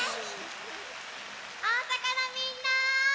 おおさかのみんな。